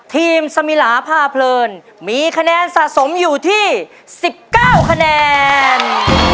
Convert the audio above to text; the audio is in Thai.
สมิลาพาเพลินมีคะแนนสะสมอยู่ที่๑๙คะแนน